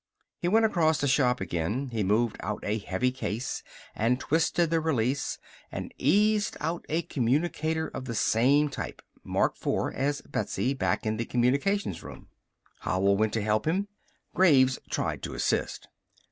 He went across the shop again. He moved out a heavy case, and twisted the release, and eased out a communicator of the same type Mark IV as Betsy back in the Communications room. Howell went to help him. Graves tried to assist.